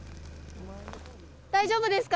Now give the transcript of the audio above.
大丈夫ですか。